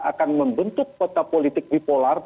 akan membentuk kota politik bipolar